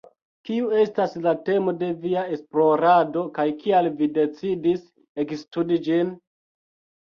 Kiu estas la temo de via esplorado kaj kial vi decidis ekstudi ĝin?